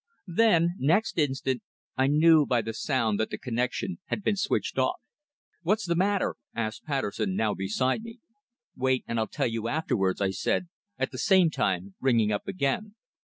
Then, next instant, I knew by the sound that the connexion had been switched off. "What's the matter?" asked Patterson, now beside me. "Wait, and I'll tell you afterwards," I said, at the same time ringing up again.